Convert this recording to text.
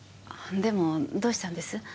でもどうしたんです？